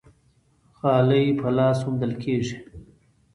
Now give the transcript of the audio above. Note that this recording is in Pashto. غالۍ په لاس اوبدل کیږي.